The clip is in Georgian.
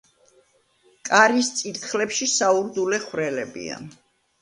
კარის წირთხლებში საურდულე ხვრელებია.